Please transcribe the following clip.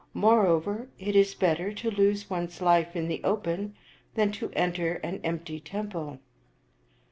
More over, it is better to lose one's life in the open than to enter an empty temple."